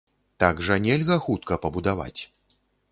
Так жа нельга хутка пабудаваць.